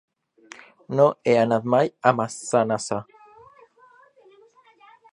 No he anat mai a Massanassa.